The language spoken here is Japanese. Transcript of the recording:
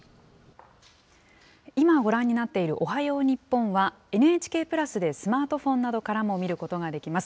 今ご覧になっているおはよう日本は、ＮＨＫプラスでスマートフォンなどからも見ることができます。